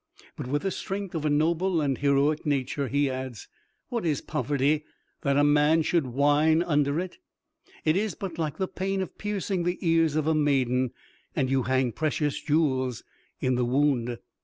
But with the strength of a noble and heroic nature, he adds, "What is poverty that a man should whine under it? It is but like the pain of piercing the ears of a maiden, and you hang precious jewels in the wound."